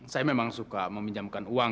saya memang suka meminjamkan uang